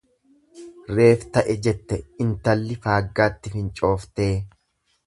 Reef ta'e jette intalli faaggaatti fincooftee.